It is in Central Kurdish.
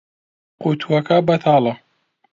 قوتووەکە بەتاڵە.